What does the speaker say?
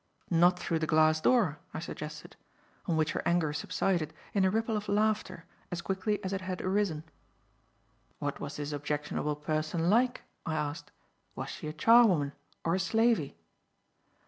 "Not through the glass door," I suggested; on which her anger subsided in a ripple of laughter as quickly as it had arisen. "What was this objectionable person like?" I asked. "Was she a charwoman or a slavey?"